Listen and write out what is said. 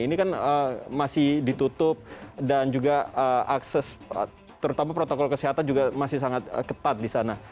ini kan masih ditutup dan juga akses terutama protokol kesehatan juga masih sangat ketat di sana